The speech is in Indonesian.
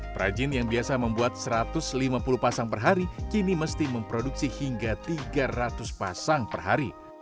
perajin yang biasa membuat satu ratus lima puluh pasang per hari kini mesti memproduksi hingga tiga ratus pasang per hari